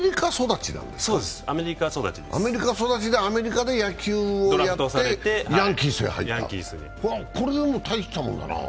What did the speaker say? アメリカ育ちで、アメリカで野球をやって、ヤンキースに入ったこれ、大したものだなあ。